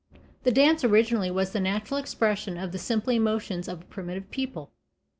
The dance originally was the natural expression of the simple emotions of a primitive people.